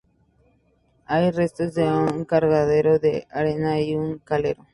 Hay restos de un cargadero de arena y un calero.